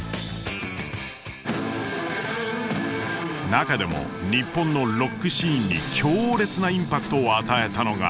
中でも日本のロックシーンに強烈なインパクトを与えたのが